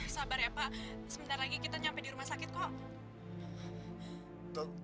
sabar ya pak sebentar lagi kita sampai di rumah sakit kok